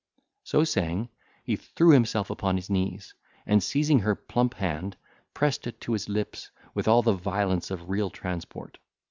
So saying, he threw himself upon his knees, and, seizing her plump hand, pressed it to his lips with all the violence of real transport.